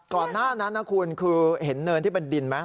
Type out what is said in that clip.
ก่อนหน้านั้นนะคุณคือเห็นเนินที่เป็นดินไหม